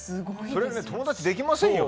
それ、友達できませんよ。